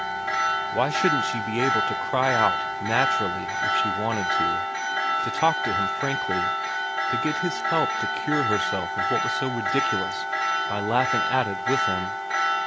Why shouldn't she be able to cry out naturally if she wanted to, to talk to him frankly, to get his help to cure herself of what was so ridiculous by laughing at it with him